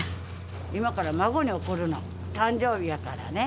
今から孫に送るの、誕生日やからね。